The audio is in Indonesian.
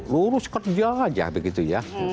lurus kerja aja begitu ya